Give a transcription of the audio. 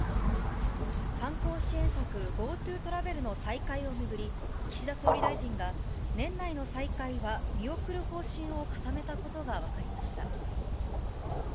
観光支援策、ＧｏＴｏトラベルの再開を巡り、岸田総理大臣が、年内の再開は見送る方針を固めたことが分かりました。